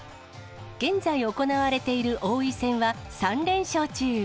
現在行われている王位戦は、３連勝中。